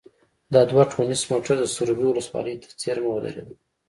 دا دوه ټونس موټر د سروبي ولسوالۍ ته څېرمه ودرېدل.